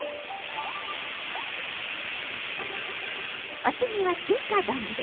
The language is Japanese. お次は中華丼です。